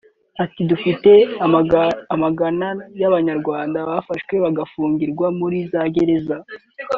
Ati “Dufite amagana y’Abanyarwanda bafashwe bagafungirwa muri za gereza